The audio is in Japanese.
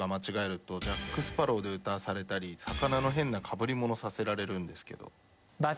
ジャック・スパロウで歌わされたり魚の変なかぶり物させられるんですけど。